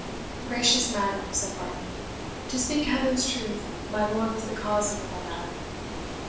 "Gracious madam," said Varney, "to speak Heaven's truth, my lord was the cause of the whole matter."